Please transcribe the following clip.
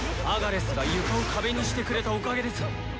アガレスが床を壁にしてくれたおかげです。